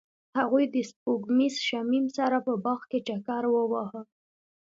هغوی د سپوږمیز شمیم سره په باغ کې چکر وواهه.